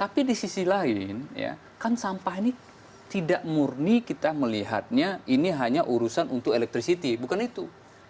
tapi di sisi lain kan sampah ini tidak murni kita melihatnya ini hanya urusan untuk electricity bukan itu